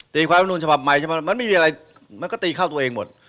ตีความรับธรรมดูมันมีอะไรมันก็ตีเข้าตัวเองหมด